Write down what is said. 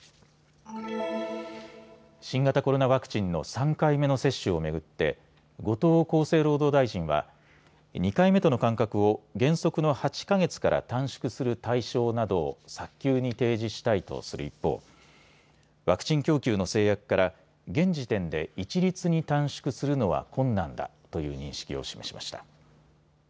新型コロナワクチンの３回目の接種を巡って後藤厚生労働大臣は２回目との間隔を原則の８か月から短縮する対象などを早急に提示したいとする一方、ワクチン供給の制約から現時点で一律に短縮するのは困難だという認識を示しました。